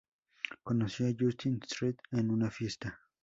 Conoció a Justin Street en una fiesta.